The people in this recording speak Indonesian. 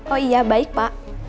oh iya baik pa